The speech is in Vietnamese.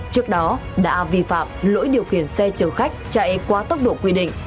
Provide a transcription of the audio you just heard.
trước đó đã vi phạm lỗi điều khiển xe châu khách chạy qua tốc độ quy định